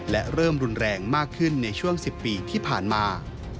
และเริ่มรุนแรงมากขึ้นในช่วง๑๐ปีที่ผ่านมา